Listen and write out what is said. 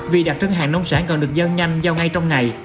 vì đặc trưng hàng nông sản còn được giao nhanh giao ngay trong ngày